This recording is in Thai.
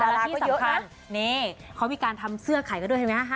ดาราก็เยอะนะที่สำคัญนี่เขามีการทำเสื้อขายก็ด้วยเห็นไหมคะ